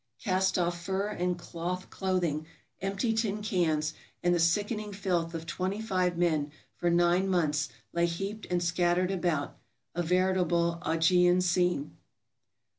Cast off fur and cloth clothing, empty tin cans, and the sickening filth of twenty five men for nine months lay heaped and scattered about, a veritable Augean scene."